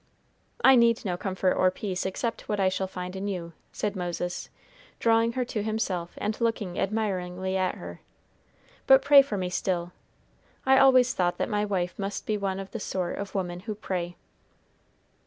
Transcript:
"I need no comfort or peace except what I shall find in you," said Moses, drawing her to himself, and looking admiringly at her; "but pray for me still. I always thought that my wife must be one of the sort of women who pray."